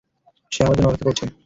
সে আমার জন্য অপেক্ষা করছে!